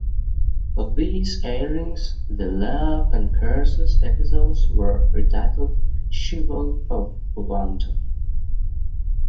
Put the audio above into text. For these airings, the "Love and Curses" episodes were retitled "She-Wolf of London.